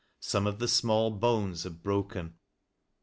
Some of the small bones had broken.